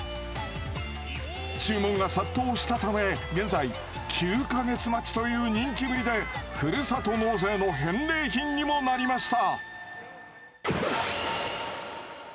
注文が殺到したため現在９か月待ちという人気ぶりでふるさと納税の返礼品にもなりました。